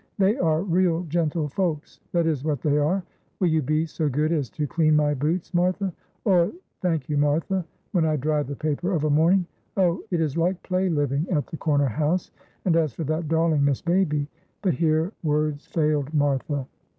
"They are real gentlefolks, that is what they are. 'Will you be so good as to clean my boots, Martha?' or 'Thank you, Martha,' when I dry the paper of a morning. Oh, it is like play living at the corner house, and as for that darling Miss Baby " but here words failed Martha.